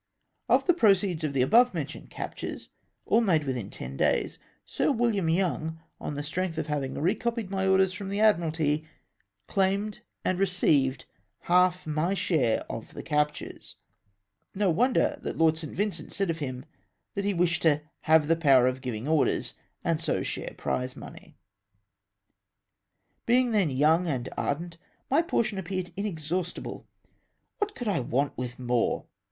Of the proceeds of the above mentioned captures — all made within ten days — Sir Wilham Young, on the strength of having recopied my orders from the Admi ralty, claimed and received half my share of the ELECTION FOR IIONITON. 179 captures. No wonder tliat Lord St. Vincent said of him, that he wished to " have the power of giving orders, and so share prize money.'''' Being then young and ardent, my portion appeared inexhaustible. Wliat could I want with more